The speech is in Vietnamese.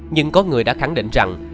nhưng có người đã khẳng định rằng